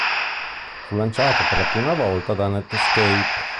Fu lanciato per la prima volta da Netscape.